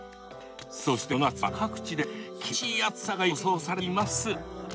そして、この夏は各地で厳しい暑さが予想されています。